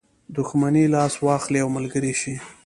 دښمني لاس واخلي او ملګری شي.